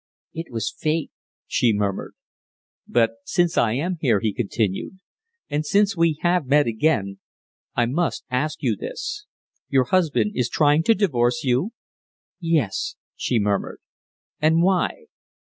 "It was fate," she murmured. "But since I am here," he continued, "and since we have met again, I must ask you this. Your husband is trying to divorce you?" "Yes!" she murmured. "And why?"